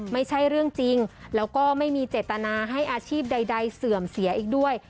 ไม่ใช่เรื่องจริงแล้วก็ไม่มีเจตนาให้อาชีพใดเสื่อมเสียอีกด้วย